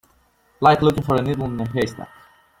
Like looking for a needle in a haystack.